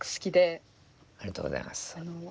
ありがとうございます。